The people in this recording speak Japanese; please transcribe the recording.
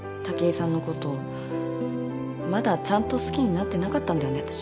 武居さんのことまだちゃんと好きになってなかったんだよね